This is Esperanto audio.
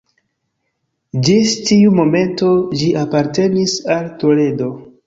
Ĝis tiu momento ĝi apartenis al Toledo.